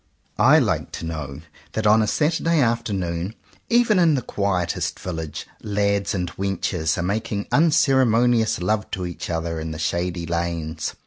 'i^\ I like to know that on a Sunday after noon, in even the quietest village, lads and 138 JOHN COWPER POWYS wenches are making unceremonious love to each other in the shady lanes.